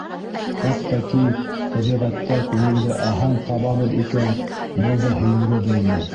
Хатта ки тәбиғәттә күңелгә аһәң табабыҙ икән, был да һөйөүгә бәйле.